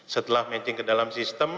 setelah matching ke dalam sistem